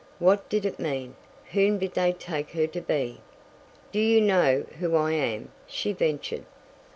What did it mean? Whom did they take her to be? "Do you know who I am?" she ventured.